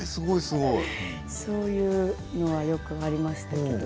そういうのは、よくありました。